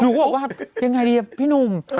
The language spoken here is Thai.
หนูก็บอกว่ายังไงเป็นเอลพี่หนุ่ม